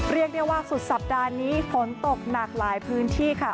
เรียกได้ว่าสุดสัปดาห์นี้ฝนตกหนักหลายพื้นที่ค่ะ